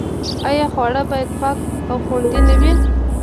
آیا خواړه باید پاک او خوندي نه وي؟